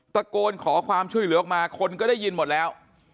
ตะโกนขอความช่วยเหลือออกมาคนก็ได้ยินหมดแล้ว